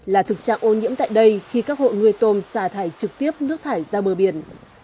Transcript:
là thực trạng ô nhiễm tại đây khi các hộ nuôi tôm xả thải trực tiếp nước thải ra bờ biển